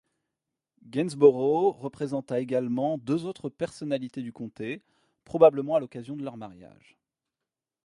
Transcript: Gainsborough représenta également deux autres personnalités du comté, probablement à l'occasion de leur mariage.